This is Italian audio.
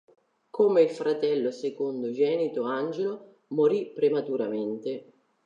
Come il fratello secondogenito Angelo, morì prematuramente.